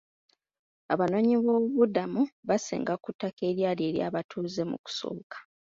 Abanoonyiboobubudamu baasenga ku ttaka eryali ery'abatuuze mu kusooka.